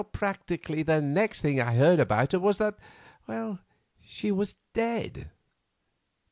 Practically the next thing I heard about her was that she was dead."